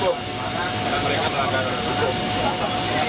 karena mereka melanggar orang indonesia